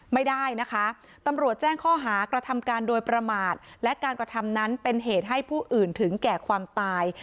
ไม่ได้นะคะตำรวจแจ้งข้อหากระทำการโดยประมาทและการกระทำนั้นเป็นเหตุให้ผู้อื่นถึงแก่ความตาย